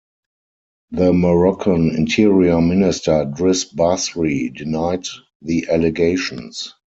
The Moroccan Interior Minister Driss Basri denied the allegations.